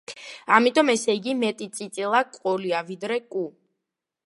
ამიტომ, ესე იგი, მეტი წიწილა გვყოლია ვიდრე კუ.